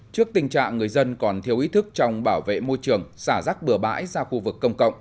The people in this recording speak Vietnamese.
trước tình trạng người dân còn thiếu ý thức trong bảo vệ môi trường xả rác bừa bãi ra khu vực công cộng